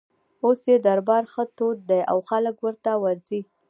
اوس یې دربار ښه تود دی او خلک ورته ورځي.